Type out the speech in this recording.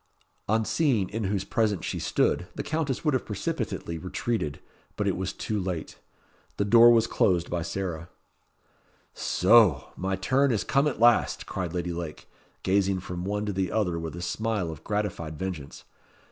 On seeing in whose presence she stood, the Countess would have precipitately retreated; but it was too late. The door was closed by Sarah. "Soh! my turn is come at last," cried Lady Lake, gazing from one to the other with a smile of gratified vengeance.